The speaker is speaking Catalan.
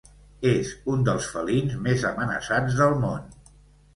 És un dels felins més amenaçats del món.